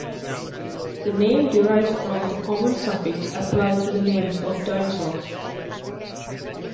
The name derives from the common suffix applied to the names of dinosaurs.